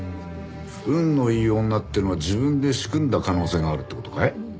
運のいい女っていうのは自分で仕組んだ可能性があるって事かい？